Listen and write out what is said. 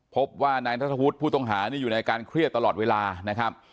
พบว่านายนัทธวุฒิผู้ต้องหานี่อยู่ในอาการเครียดตลอดเวลานะครับ